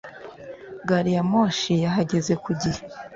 Gari ya moshi yahageze ku igihe